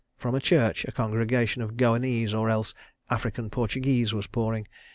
From a church, a congregation of Goanese or else African Portuguese was pouring.